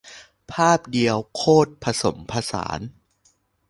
ภาพเดียวโคตรผสมผสาน